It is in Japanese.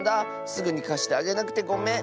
すぐにかしてあげなくてごめん！